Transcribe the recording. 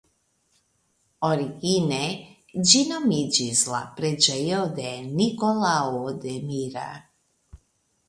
Origine ĝi nomiĝis la preĝejo de Nikolao de Mira.